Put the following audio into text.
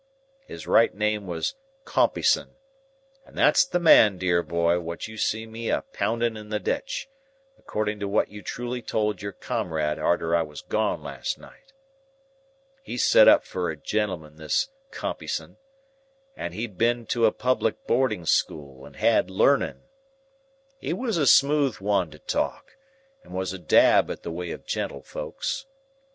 His right name was Compeyson; and that's the man, dear boy, what you see me a pounding in the ditch, according to what you truly told your comrade arter I was gone last night. "He set up fur a gentleman, this Compeyson, and he'd been to a public boarding school and had learning. He was a smooth one to talk, and was a dab at the ways of gentlefolks.